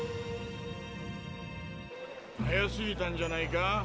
早すぎたんじゃないか？